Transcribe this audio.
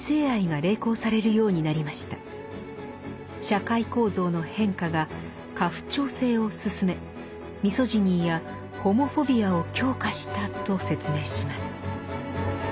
社会構造の変化が家父長制をすすめミソジニーやホモフォビアを強化したと説明します。